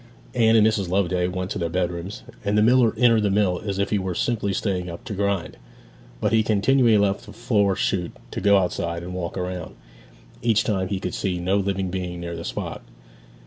Anne and Mrs. Loveday went to their bedrooms, and the miller entered the mill as if he were simply staying up to grind. But he continually left the flour shoot to go outside and walk round; each time he could see no living being near the spot.